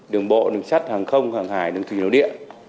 đường bộ đường sắt hàng không hàng hải đường thủy nội địa